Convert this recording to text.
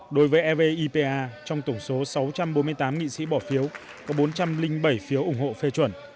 đối với evipa trong tổng số sáu trăm bốn mươi tám nghị sĩ bỏ phiếu có bốn trăm linh bảy phiếu ủng hộ phê chuẩn